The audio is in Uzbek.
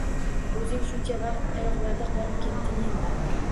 O`zing shuncha vaqt qayoqlarda qolib ketding, Endi